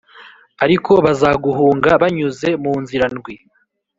ariko bazaguhunga banyuze mu nzira ndwi.